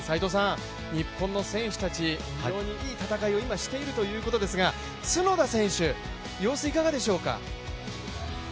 日本の選手たち、非常にいい戦いを今しているということですが角田選手、様子、いかがでしょうか？